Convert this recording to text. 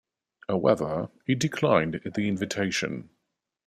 However, he declined the invitation.